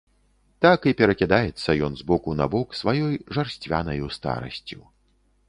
Так і перакідаецца ён з боку на бок сваёй жарсцвянаю старасцю.